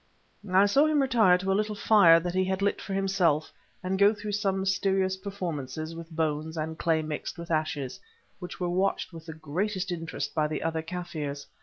I saw him retire to a little fire that he had lit for himself, and go through some mysterious performances with bones and clay mixed with ashes, which were watched with the greatest interest by the other Kaffirs.